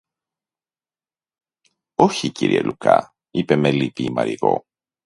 Όχι, κύριε Λουκά, είπε με λύπη η Μαριγώ